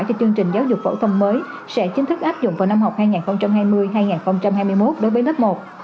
cho chương trình giáo dục phổ thông mới sẽ chính thức áp dụng vào năm học hai nghìn hai mươi hai nghìn hai mươi một đối với lớp một